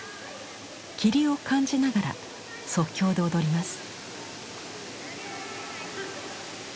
霧を感じながら即興で踊ります。